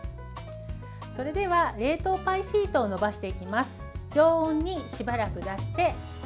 それでは冷凍パイシートを伸ばしていきます。